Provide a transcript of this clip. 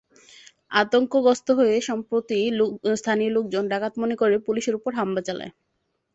আতঙ্কগ্রস্ত হয়ে সম্প্রতি স্থানীয় লোকজন ডাকাত মনে করে পুলিশের ওপর হামলা চালায়।